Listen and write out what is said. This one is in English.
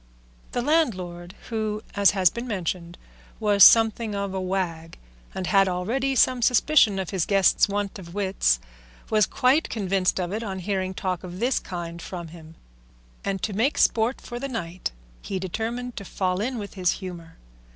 The landlord, who, as has been mentioned, was something of a wag, and had already some suspicion of his guest's want of wits, was quite convinced of it on hearing talk of this kind from him, and to make sport for the night he determined to fall in with his humour.